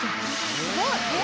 「すごい！えっ？」